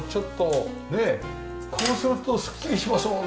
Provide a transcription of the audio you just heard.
こうするとすっきりしますもんね。